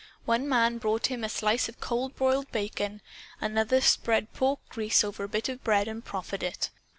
One man brought him a slice of cold broiled bacon. Another spread pork grease over a bit of bread and proffered it.